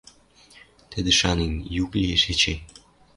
Тӹдӹ шанен: юк лиэш эче.